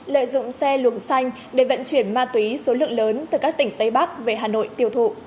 lợi dụng xe lùm xanh để vận chuyển ma túy số lượng lớn từ các tỉnh tây bắc về hà nội tiêu thụ